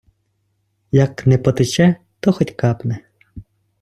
Як не потече, то хоть капне.